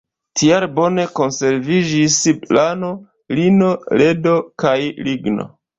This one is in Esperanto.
Tial bone konserviĝis lano, lino, ledo kaj ligno.